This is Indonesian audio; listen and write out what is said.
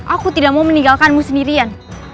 aku tidak mau meninggalkanmu sendirian